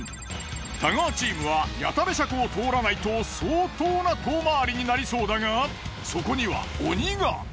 太川チームは谷田部車庫を通らないと相当な遠回りになりそうだがそこには鬼が。